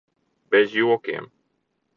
Bez jokiem?